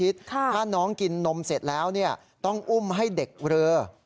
ถ้าน้องกินนมเสร็จแล้วต้องอุ้มให้เด็กรอ